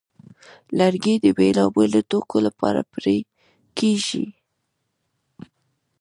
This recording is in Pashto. لرګی د بېلابېلو توکو لپاره پرې کېږي.